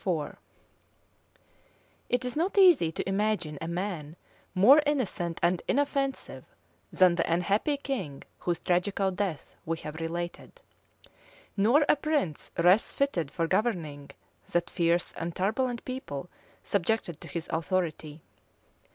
v. p. 600 It is not easy to imagine a man more innocent and inoffensive than the unhappy king whose tragical death we have related; nor a prince less fitted for governing that fierce and turbulent people subjected to his authority.